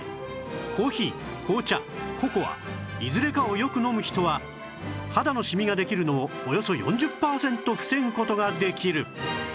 コーヒー紅茶ココアいずれかをよく飲む人は肌のシミができるのをおよそ４０パーセント防ぐ事ができる